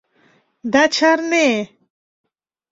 — Да чарне!